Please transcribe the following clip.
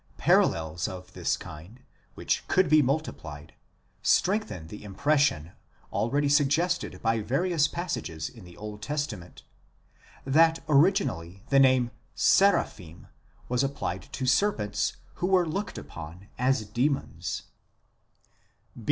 Paral lels of this kind, which could be multiplied, strengthen the impression, already suggested by various passages in the Old Testament, that originally the name Seraphim was applied to serpents who were looked upon as demons.